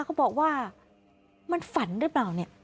เขาบอกว่ามันฝันหรือเปล่าเนี่ย